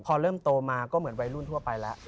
พอเริ่มโตมาก็เหมือนวัยรุ่นทั่วไปแล้ว